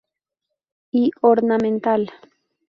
Y ornamental.